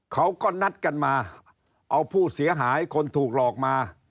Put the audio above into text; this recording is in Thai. เขาก็นัดกันมาเอาผู้เสียหายคนถูกหลอกมา